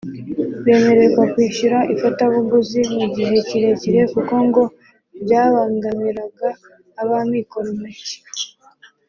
bemererwa kwishyura ifatabuguzi mu gihe kirekire kuko ngo byabangamiraga ab’abamikoro make